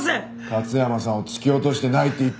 勝山さんを突き落としてないって言ったのも。